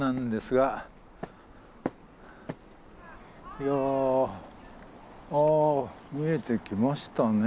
いやあ見えてきましたね。